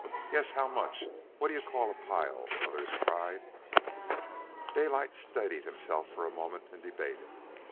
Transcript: "Yes, how much? What do you call a pile?" others cried. Daylight steadied himself for a moment and debated.